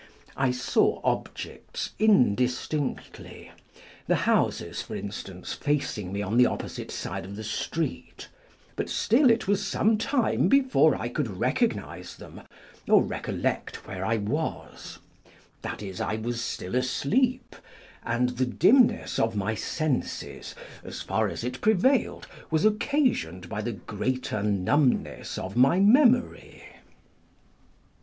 I saw objects indistinctly, the houses, for instance, facing me on the opposite side of the street ; but still it 22 On Dreams. was some time before I could recognise them or recollect where I was : that is, I was still asleep, and the dimness of my senses (as far as it prevailed) was occasioned by the greater numbness of my memory.